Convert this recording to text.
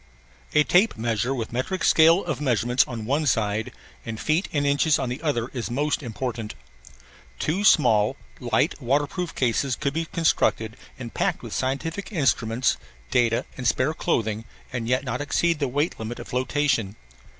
A tape measure with metric scale of measurements on one side and feet and inches on the other is most important. Two small, light waterproof cases could be constructed and packed with scientific instruments, data, and spare clothing and yet not exceed the weight limit of flotation.